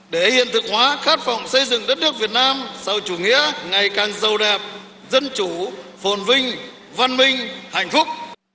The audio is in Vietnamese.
để hiện thực hóa khát phòng xây dựng đất nước việt nam sau chủ nghĩa ngày càng giàu đẹp dân chủ phồn vinh văn minh hạnh phúc